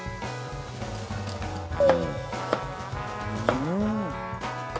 「うん！」